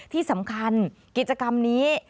ที่สำคัญกิจกรรมนี้